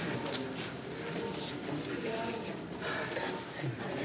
すいません。